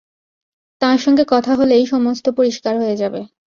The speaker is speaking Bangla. তাঁর সঙ্গে কথা হলেই সমস্ত পরিষ্কার হয়ে যাবে।